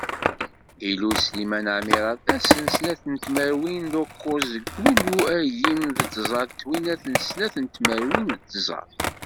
Ilul Sliman Ɛmirat ass n snat tmerwin d ukkuẓ deg yulyu agim d tẓa twinas d snat tmerwin d tẓa.